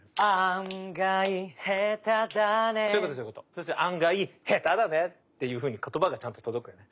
そうすると「案外、下手だね」っていうふうに言葉がちゃんと届くよね。